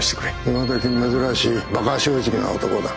今どき珍しいバカ正直な男だ。